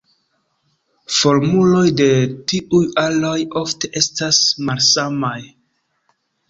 Formuloj de tiuj aroj ofte estas malsamaj.